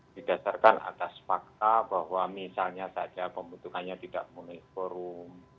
didasarkan atas fakta bahwa misalnya saja pembentukannya tidak memenuhi forum